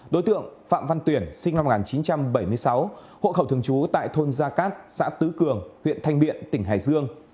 đối tượng phạm văn tuyển sinh năm một nghìn chín trăm bảy mươi sáu hộ khẩu thường trú tại thôn gia cát xã tứ cường huyện thanh miện tỉnh hải dương